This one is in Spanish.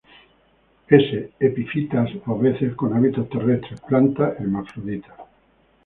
S, epífitas o a veces con hábitos terrestres; plantas hermafroditas.